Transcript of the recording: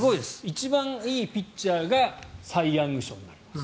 一番いいピッチャーがサイ・ヤング賞になります。